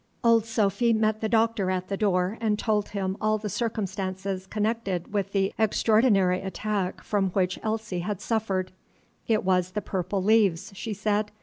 Old Sophy met the Doctor at the door and told him all the circumstances connected with the extraordinary attack from which Elsie had suffered. It was the purple leaves, she said.